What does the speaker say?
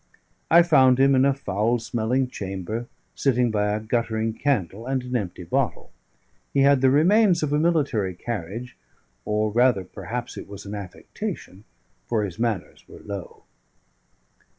I found him in a foul smelling chamber, sitting by a guttering candle and an empty bottle; he had the remains of a military carriage, or rather perhaps it was an affectation, for his manners were low.